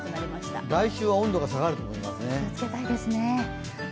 特に来週は温度が下がると思いますね。